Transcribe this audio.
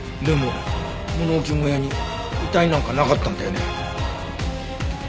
でも物置小屋に遺体なんかなかったんだよね？